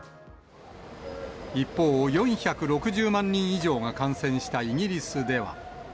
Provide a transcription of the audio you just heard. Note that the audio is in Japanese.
一方、４６０万人以上が感染したイギリスでは。